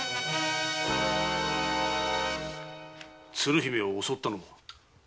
鶴姫を襲ったのは？